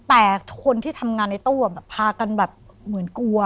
แต่คนที่ทำงานในตู้พากันแบบเหมือนกลัว